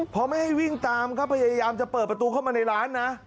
พอไม่ให้วิ่งตามครับพยายามจะเปิดประตูเข้ามาในร้านนะ